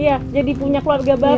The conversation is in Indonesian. ya jadi punya keluarga baru ya